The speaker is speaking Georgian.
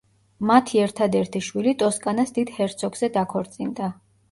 მათი ერთადერთი შვილი ტოსკანას დიდ ჰერცოგზე დაქორწინდა.